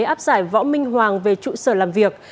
áp giải võ minh hoàng về trụ sở làm việc